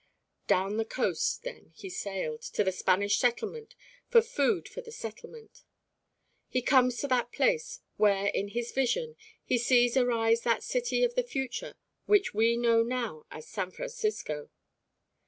Down the coast then he sailed to the Spanish settlement for food for the settlement. He comes to that place where in his vision he sees arise that city of the future which we know now as San Francisco.